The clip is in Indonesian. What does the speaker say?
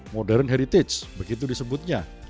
modern heritage begitu disebutnya